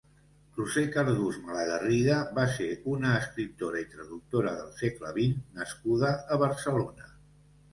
Roser Cardús Malagarriga va ser una escriptora i traductora del segle vint nascuda a Barcelona.